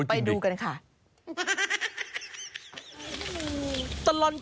ไปดูกันค่ะจริงดิ